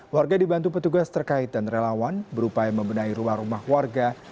warga dibantu petugas terkait dan relawan berupaya membenahi rumah rumah warga